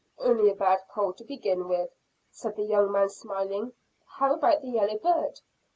"Only a bad cold to begin with," said the young man smiling. "How about the yellow bird?"